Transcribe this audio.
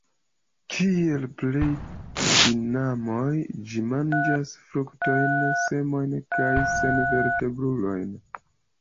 Kiel plej tinamoj ĝi manĝas fruktojn, semojn kaj senvertebrulojn.